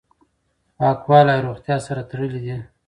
پاکوالی او روغتیا سره تړلي دي.